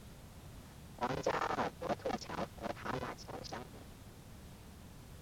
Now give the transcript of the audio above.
皇家阿尔伯特桥和塔马桥相邻。